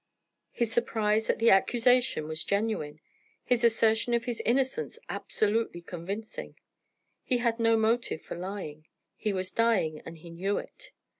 His surprise at the accusation was genuine; his assertion of his innocence absolutely convincing; he had no motive for lying; he was dying, and he knew it.